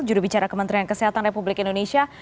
jurubicara kementerian kesehatan republik indonesia